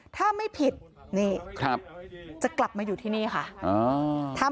ถ้าไม่ผิดนี่จะกลับมาอยู่ที่นี่ค่ะ